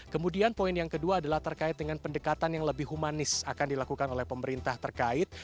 kemudian poin yang kedua adalah terkait dengan pendekatan yang lebih humanis akan dilakukan oleh pemerintah terkait